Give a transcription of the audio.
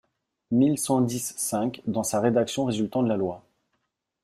mille cent dix-cinq, dans sa rédaction résultant de la loi.